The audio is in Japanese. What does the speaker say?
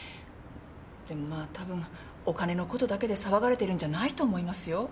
でもまあ多分お金のことだけで騒がれてるんじゃないと思いますよ。